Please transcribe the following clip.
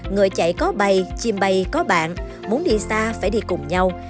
người chạy có bay chim bay có bạn muốn đi xa phải đi cùng nhau